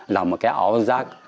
là một cái áo rác